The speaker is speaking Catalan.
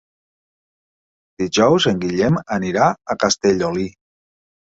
Dijous en Guillem anirà a Castellolí.